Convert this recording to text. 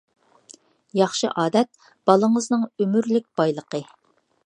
ياخشى ئادەت بالىڭىزنىڭ ئۆمۈرلۈك بايلىقى.